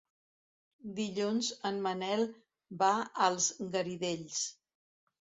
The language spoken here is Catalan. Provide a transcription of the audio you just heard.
Dilluns en Manel va als Garidells.